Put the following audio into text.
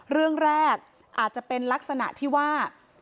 เรื่องแรกอาจจะเป็นลักษณะที่ว่า